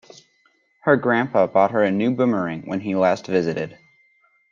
Her grandpa bought her a new boomerang when he last visited.